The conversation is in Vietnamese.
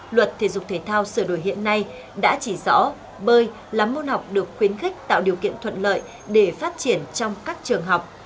luật thể dục thể thao sửa đổi hiện nay đã chỉ rõ bơi là môn học được khuyến khích tạo điều kiện thuận lợi để phát triển trong các trường học